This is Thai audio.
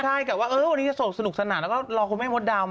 ใช่กับว่าวันนี้จะโศกสนุกสนานแล้วก็รอคุณแม่มดดำ